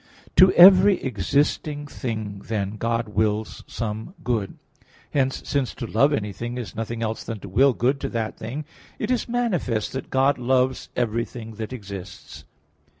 To every existing thing, then, God wills some good. Hence, since to love anything is nothing else than to will good to that thing, it is manifest that God loves everything that exists.